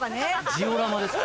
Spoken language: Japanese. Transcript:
ジオラマですか？